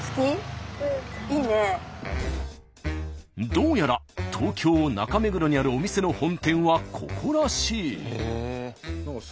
どうやら東京中目黒にあるお店の本店はここらしい。